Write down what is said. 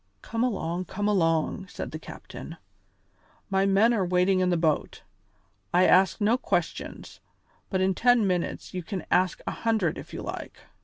"Come along, come along," said the captain, "my men are waiting in the boat. I asked no questions, but in ten minutes you can ask a hundred if you like."